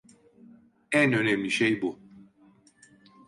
En önemli şey bu.